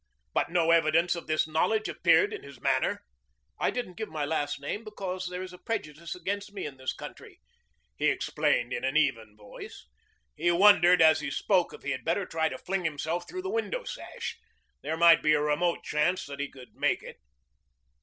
But no evidence of this knowledge appeared in his manner. "I didn't give my last name because there is a prejudice against me in this country," he explained in an even voice. He wondered as he spoke if he had better try to fling himself through the window sash. There might be a remote chance that he could make it.